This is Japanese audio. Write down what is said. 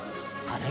あれ？